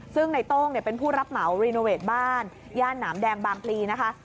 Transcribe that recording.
ซึ่งในโต้งเป็นผู้รับเหมารีโนเวทบ้านย่านหนามแดงบางพลีนะคะ